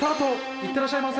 いってらっしゃいませ。